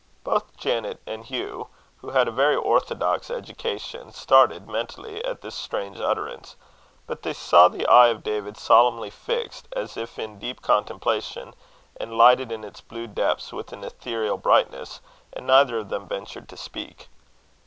Both Janet and Hugh, who had had a very orthodox education, started, mentally, at this strange utterance; but they saw the eye of David solemnly fixed, as if in deep contemplation, and lighted in its blue depths with an ethereal brightness; and neither of them ventured to speak.